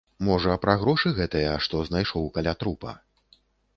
Можа, пра грошы гэтыя, што знайшоў каля трупа?